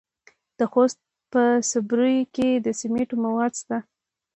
د خوست په صبریو کې د سمنټو مواد شته.